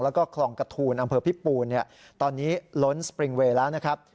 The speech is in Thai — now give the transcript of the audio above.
แล้วก็คลองกระทูลอำเภอพิปูนตอนนี้ล้นสปริงเวย์แล้วนะครับ